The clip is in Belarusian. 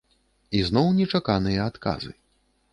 І зноў нечаканыя адказы!